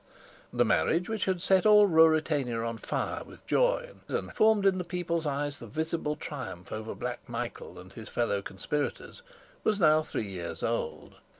The marriage which had set all Ruritania on fire with joy and formed in the people's eyes the visible triumph over Black Michael and his fellow conspirators was now three years old.